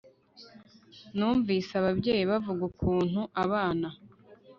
numvise ababyeyi bavuga ukuntu abana